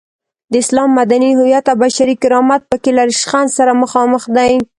د اسلام مدني هویت او بشري کرامت په کې له ریشخند سره مخامخ دی.